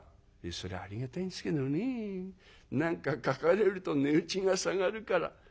「それはありがたいんすけどねえ何か描かれると値打ちが下がるから」。